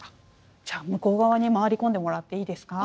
じゃあ向こう側に回り込んでもらっていいですか。